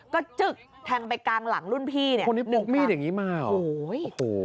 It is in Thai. ก็จึ๊กแทงไปกลางหลังรุ่นพี่เนี่ยคนที่พกมีดอย่างงี้มาหรอโอ้โห